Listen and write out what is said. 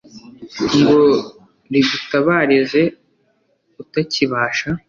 ngo rigutabarize utakibasha